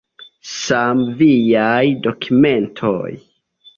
Same viaj dokumentoj.